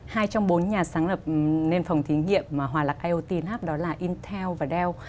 hai trong bốn nhà sáng lập nền phòng thí nghiệm mà hòa lạc iot lab đó là intel và dell